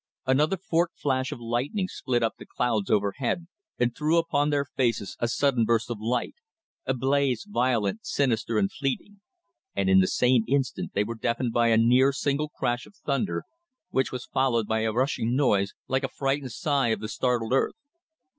Another forked flash of lightning split up the clouds overhead, and threw upon their faces a sudden burst of light a blaze violent, sinister and fleeting; and in the same instant they were deafened by a near, single crash of thunder, which was followed by a rushing noise, like a frightened sigh of the startled earth.